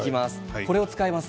これを使います。